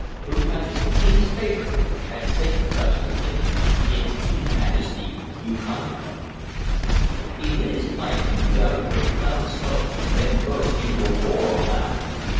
Who touches the King's favorite had safer touch the King. It's _lese majeste_‚ you contemplate." He lit his pipe and blew out a great cloud of smoke, then burst into a roar of laughter.